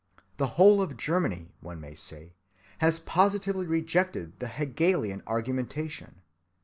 The whole of Germany, one may say, has positively rejected the Hegelian argumentation.